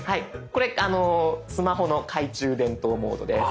これスマホの懐中電灯モードです。